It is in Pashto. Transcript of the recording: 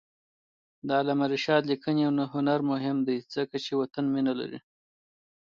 د علامه رشاد لیکنی هنر مهم دی ځکه چې وطن مینه لري.